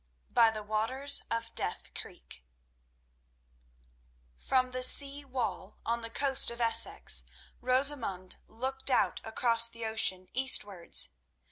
By The Waters of Death Creek From the sea wall on the coast of Essex, Rosamund looked out across the ocean eastwards.